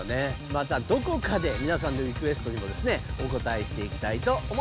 またどこかでみなさんのリクエストにもですねおこたえしていきたいと思います。